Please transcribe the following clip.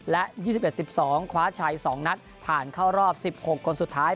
และ๒๑๑๒คว้าชัย๒นัดผ่านเข้ารอบ๑๖คนสุดท้าย